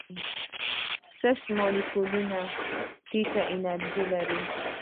سست مالیکولونه ټیټه انرژي لري.